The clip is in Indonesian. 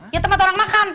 ya tempat orang makan